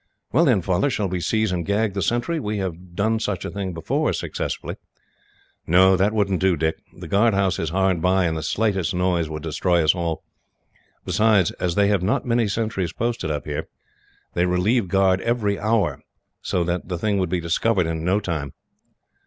"Well then, Father, shall we seize and gag the sentry? We have done such a thing before, successfully." "No, that wouldn't do, Dick. The guard house is hard by, and the slightest noise would destroy us all. Besides, as they have not many sentries posted up here, they relieve guard every hour, so that the thing would be discovered in no time.